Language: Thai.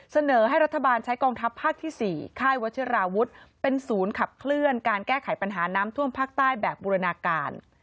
เสนอให้รัฐบาลใช้กองทัพภาคที่๔ค่ายวัชิราวุฒิเป็นศูนย์ขับเคลื่อนการแก้ไขปัญหาน้ำท่วมภาคใต้แบบบูรณาการ